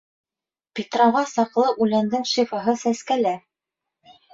Питрауға саҡлы үләндең шифаһы сәскәлә